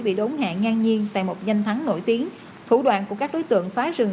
bị đốn hạ ngang nhiên tại một danh thắng nổi tiếng thủ đoạn của các đối tượng phá rừng